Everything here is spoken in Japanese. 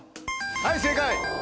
はい正解。